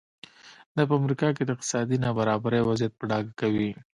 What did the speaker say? دا په امریکا کې د اقتصادي نابرابرۍ وضعیت په ډاګه کوي.